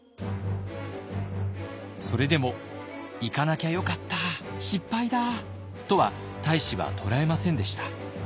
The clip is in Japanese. それでも「行かなきゃよかった失敗だ！」とは太子は捉えませんでした。